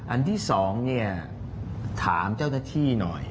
อันที่สองถามเจ้าหน้าที่หน่อย